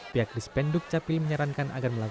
pihak dispenduk capil menyarankan agar melakukan